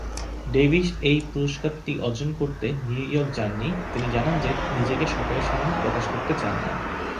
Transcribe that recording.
Davies এই পুরস্কার গ্রহণ করতে নিউ ইয়র্ক যাননি, তিনি জানান যে তিনি নিজেকে সকলের সামনে প্রকাশ করতে চান না।